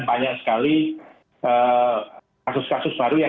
banyak sekali kasus kasus baru yang